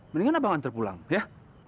mendingan abang nganter pulang ya